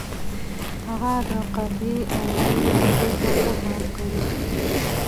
هغه د قافیې او روي موضوع ته ښه پام کړی.